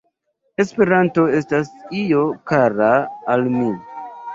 “Esperanto estas io kara al mi.